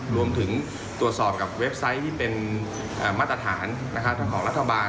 รวมถึงตรวจสอบกับเว็บไซต์ที่เป็นมาตรฐานทางของรัฐบาล